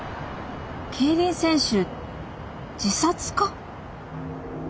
競輪選手自殺か？